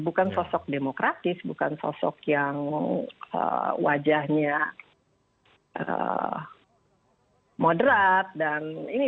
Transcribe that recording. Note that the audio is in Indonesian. bukan sosok demokratis bukan sosok yang wajahnya moderat dan ini